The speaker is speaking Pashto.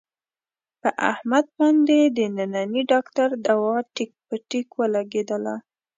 په احمد باندې د ننني ډاکټر دوا ټیک په ټیک ولږېدله.